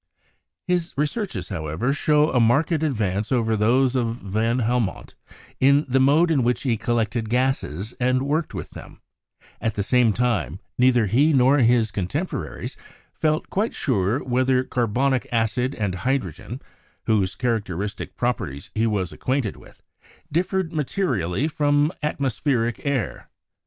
His researches, however, show a marked advance over those of van Helmont in the mode in which he collected gases and worked with them ; at the same time neither he nor his contemporaries felt quite sure whether carbonic acid and hydrogen, whose characteristic properties he was acquainted with, differed materially from atmospheric air.